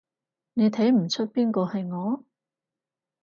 你睇唔岀邊個係我？